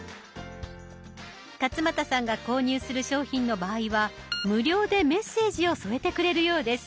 勝俣さんが購入する商品の場合は無料でメッセージを添えてくれるようです。